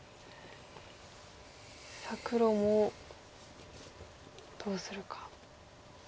さあ黒もどうするか。